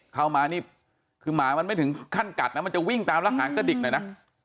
เข้ามานี่คือหมามันไม่ถึงขั้นกัดนะมันจะวิ่งตามแล้วหางกระดิกหน่อยนะ